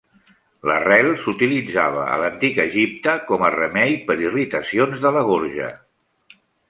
La rel s'utilitzava a l'antic Egipte com a remei per irritacions de la gorja.